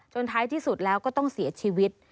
ท้ายที่สุดแล้วก็ต้องเสียชีวิต